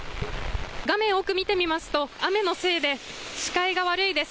画面奥、見てみますと雨のせいで視界が悪いです。